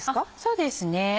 そうですね。